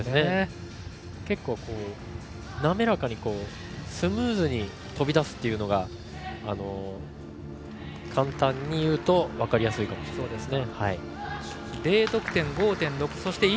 結構、滑らかにスムーズに飛び出すというのが簡単に言うと分かりやすいかもしれません。